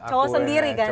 cowok sendiri kan ya